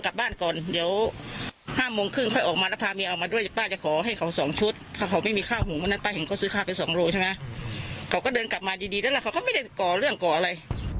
เขาก็เดินกลับมาดีแล้วแหละเขาไม่ได้ก่อเรื่องก่ออะไร